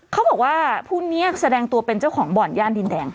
เขาบอกว่าผู้นี้แสดงตัวเป็นเจ้าของบ่อนย่านดินแดง